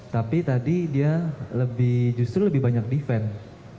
tapi tadi dia lebih justru lebih banyak defense